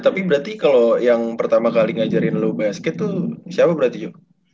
tapi berarti kalau yang pertama kali ngajarin low basket tuh siapa berarti yuk